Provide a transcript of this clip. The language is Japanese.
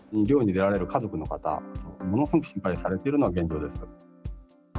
漁に出られる家族の方、ものすごく心配されているのが現状です。